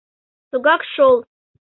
— Тугак шол.